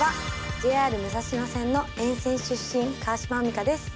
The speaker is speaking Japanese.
ＪＲ武蔵野線の沿線出身川島海荷です。